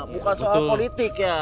bukan soal politik ya